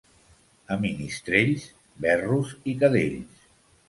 A Ministrells, verros i cadells.